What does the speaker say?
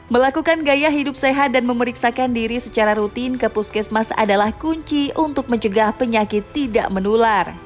melakukan gaya hidup sehat dan memeriksakan diri secara rutin ke puskesmas adalah kunci untuk mencegah penyakit tidak menular